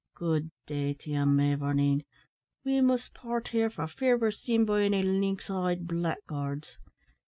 Good day to ye, mavourneen; we must part here, for fear we're seen by any lynx eyed blackguards.